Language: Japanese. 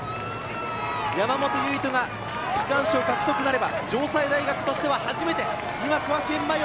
山本唯翔が区間賞獲得となれば城西大学としては初めて。